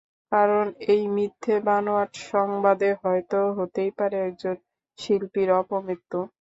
কারণ একটি মিথ্যে, বানোয়াট সংবাদে হয়তো হতেই পারে একজন শিল্পীর অপমৃত্যু।